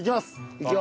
いくよ？